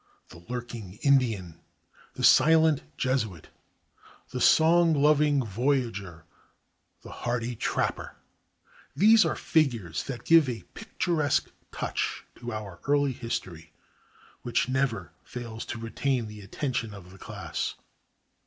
The lurking Indian, the silent Jesuit, the song loving voyageur, the hardy trapper these are figures that give a picturesque touch to our early history which never fails to retain the attention of the class.